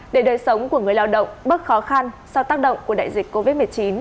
để đời sống của người lao động bớt khó khăn do tác động của đại dịch covid một mươi chín